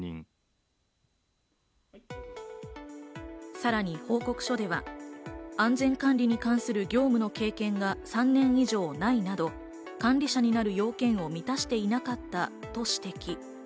さらに報告書では安全管理に関する業務の経験が３年以上ないなど管理者になる条件を満たしていなかったと指摘。